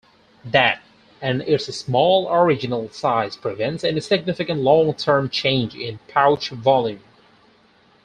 That, and its small original size, prevents any significant long-term change in pouch volume.